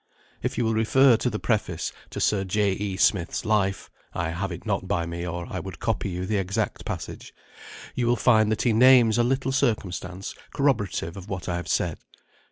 If you will refer to the preface to Sir J. E. Smith's Life (I have it not by me, or I would copy you the exact passage), you will find that he names a little circumstance corroborative of what I have said.